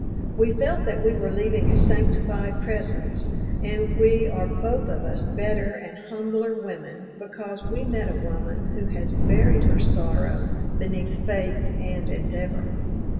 We felt that we were leaving a sanctified presence, and we are both of us better and humbler women because we met a woman who has buried her sorrow beneath faith and endeavor.